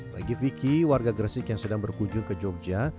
bagi viki warga gresik yang sedang berkunjung ke jogja